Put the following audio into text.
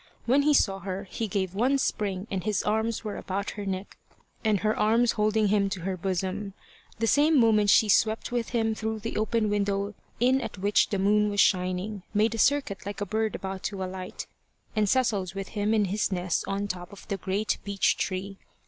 When he saw her, he gave one spring, and his arms were about her neck, and her arms holding him to her bosom. The same moment she swept with him through the open window in at which the moon was shining, made a circuit like a bird about to alight, and settled with him in his nest on the top of the great beech tree.